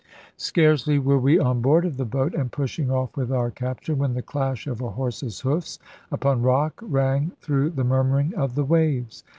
Scarcely were we on board of the boat, and pushing off with our capture, when the clash of a horse's hoofs upon rock rang through the murmuring of the waves.